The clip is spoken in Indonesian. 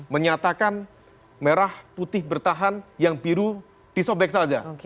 menyatakan merah putih bertahan yang biru disobek saja